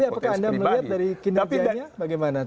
apakah anda melihat dari kinerjanya bagaimana